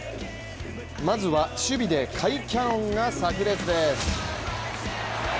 まずは守備で甲斐キャノンがさく裂です。